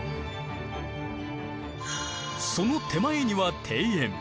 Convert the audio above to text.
その手前には庭園。